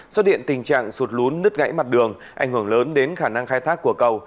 xuất hiện tình trạng sụt lún nứt gãy mặt đường ảnh hưởng lớn đến khả năng khai thác của cầu